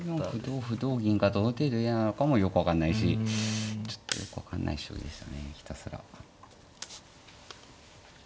５四歩同歩同銀がどの程度嫌なのかもよく分かんないしちょっとよく分かんない将棋でしたねひたすら。